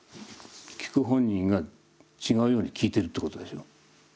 聞く本人が違うように聞いてるってことでしょ。